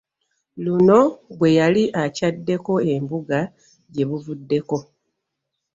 Luno bwe yali akyaddeko embuga gye buvuddeko.